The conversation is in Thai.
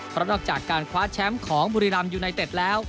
เพราะนอกจากการคว้าแชมป์ของบุรีรำยูไนเต็ดแล้ว